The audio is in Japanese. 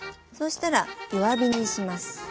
そうしたら弱火にします。